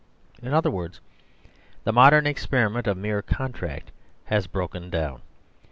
In other words, the modern experiment of mere contract has broken down.